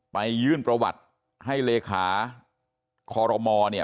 ยื่นประวัติให้เลขาคอรมอเนี่ย